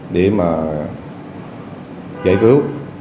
để giải cứu